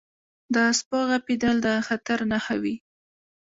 • د سپو غپېدل د خطر نښه وي.